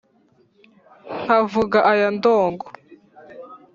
nkavuga aya ndongo